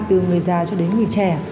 từ người già cho đến người trẻ